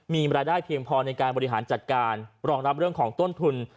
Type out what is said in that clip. มีรายได้เพียงพอในการบริหารจัดการรองรับเรื่องของต้นทุน